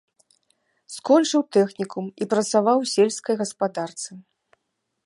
Скончыў тэхнікум і працаваў у сельскай гаспадарцы.